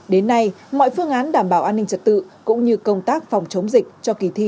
đến nay mọi phương án đảm bảo an ninh trật tự cũng như công tác phòng chống dịch cho kỳ thi